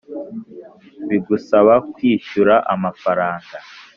bigusaba kwishyura amafaranga